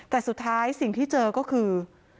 แต่สุดท้ายสิ่งที่เจอก็คือ